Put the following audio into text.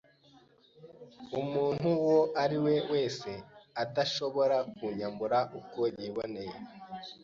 umuntu uwo ari we wese adashobora kunyambura uko yiboneye